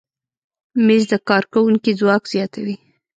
مېز د کارکوونکي ځواک زیاتوي.